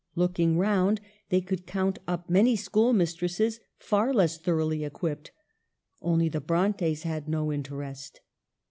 Looking round they could count up many schoolmistresses far less thoroughly equipped. Only the Brontes had no interest.